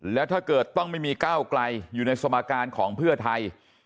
แล้วถ้าเกิดต้องไม่มีก้าวไกลอยู่ในสมการของเพื่อไทย